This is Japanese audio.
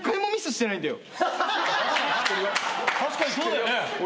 確かにそうだよね。